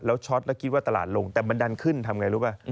แล้วช็อตแล้วคิดว่าตลาดลงแต่มันดันขึ้นทำไงรู้ป่ะ